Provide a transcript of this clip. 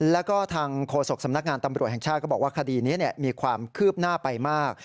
แล้วก็ทางโฆษกสำนักงานตำรวจแห่งชาติก็บอกว่าคดีนี้มีความคืบหน้าไปมาก